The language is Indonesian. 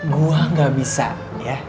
gua gak bisa ya